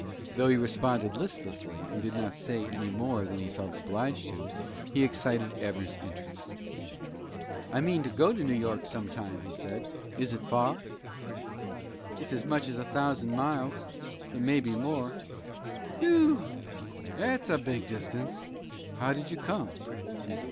Though he responded listlessly, and did not say any more than he felt obliged to, he excited Abner's interest. "I mean to go to New York some time," he said. "Is it far?" "It's as much as a thousand miles. It may be more." "Phew! That's a big distance. How did you come?"